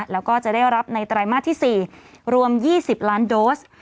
แล้วก็จะได้รับในไตรมาสที่๔รวม๒๐ล้านโดส